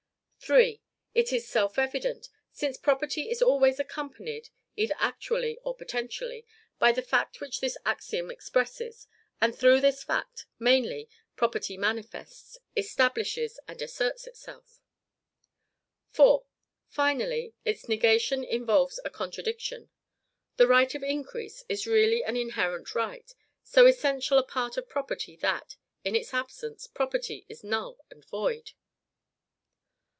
3. It is self evident, since property is always accompanied (either actually or potentially) by the fact which this axiom expresses; and through this fact, mainly, property manifests, establishes, and asserts itself. 4. Finally, its negation involves a contradiction. The right of increase is really an inherent right, so essential a part of property, that, in its absence, property is null and void.